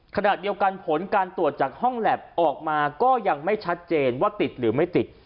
ขณะเดียวกันผลการตรวจจากห้องแล็บออกมาก็ยังไม่ชัดเจนว่าติดหรือไม่ติด